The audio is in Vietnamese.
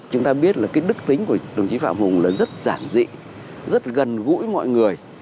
chúng ta biết là cái đức tính của đồng chí phạm hùng là rất giản dị rất gần gũi mọi người